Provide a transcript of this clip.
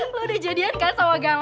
lo udah jadian kan sama galang